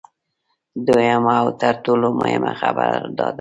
دویمه او تر ټولو مهمه خبره دا ده